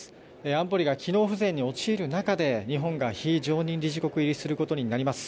安保理が機能不全に陥る中で日本が非常任理事国入りすることになります。